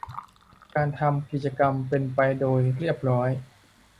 การทำกิจกรรมเป็นไปโดยเรียบร้อย